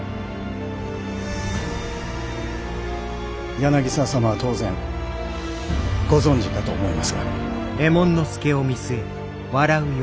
柳沢様は当然ご存じかと思いますが。